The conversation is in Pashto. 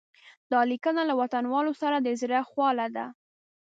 دا لیکنه له وطنوالو سره د زړه خواله ده.